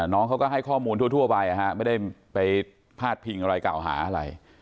น้องเขาก็ให้ข้อมูลทั่วไปไม่ได้ไปพาดพิงอะไรกล่าวหาอะไร